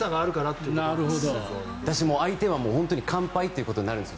そうだし、相手は完敗ということになるんです。